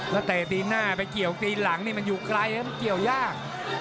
ถ้าเตะตีนหน้าไปเกี่ยวปีนหลังนี่มันอยู่ไกลแล้วมันเกี่ยวยาก